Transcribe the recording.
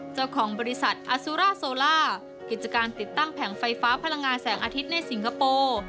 เจ้าของบริษัทอสุร่าโซล่ากิจการติดตั้งแผงไฟฟ้าพลังงานแสงอาทิตย์ในสิงคโปร์